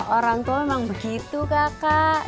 orang tua emang begitu kakak